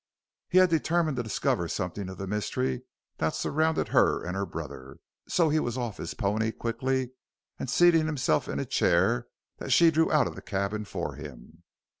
He had determined to discover something of the mystery that surrounded her and her brother, and so he was off his pony quickly and seating himself in a chair that she drew out of the cabin for him.